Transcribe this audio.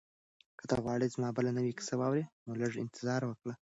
که ته غواړې چې زما بله نوې کیسه واورې نو لږ انتظار وکړه.